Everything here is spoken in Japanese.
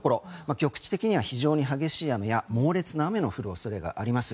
局地的には非常に激しい雨や猛烈な雨の降る恐れがあります。